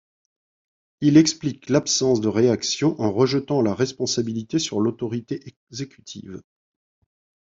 Il explique l'absence de réaction en rejetant la responsabilité sur l'autorité exécutive.